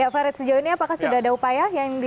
ya farid sejauh ini apakah sudah ada upaya yang di